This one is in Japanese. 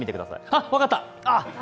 あ、分かった！